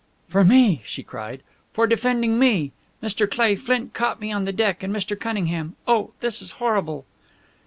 "For me!" she cried. "For defending me! Mr. Cleigh, Flint caught me on deck and Mr. Cunningham oh, this is horrible!"